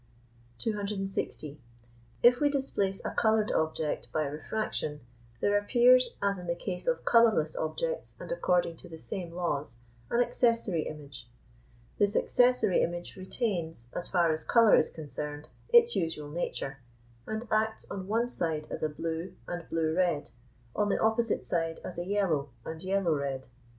260. If we displace a coloured object by refraction, there appears, as in the case of colourless objects and according to the same laws, an accessory image. This accessory image retains, as far as colour is concerned, its usual nature, and acts on one side as a blue and blue red, on the opposite side as a yellow and yellow red.